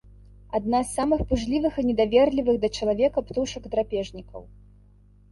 Адна з самых пужлівых і недаверлівых да чалавека птушак-драпежнікаў.